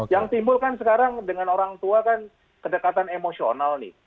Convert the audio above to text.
yang timbul kan sekarang dengan orang tua kan kedekatan emosional nih